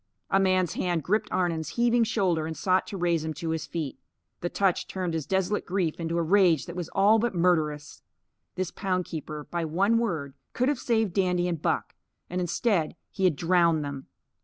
A man's hand gripped Arnon's heaving shoulder and sought to raise him to his feet. The touch turned his desolate grief into a rage that was all but murderous. This pound keeper, by one word, could have saved Dandy and Buck. And instead, he had drowned them.